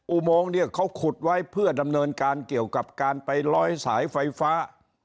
อุโมงเนี่ยเขาขุดไว้เพื่อดำเนินการเกี่ยวกับการไปล้อยสายไฟฟ้า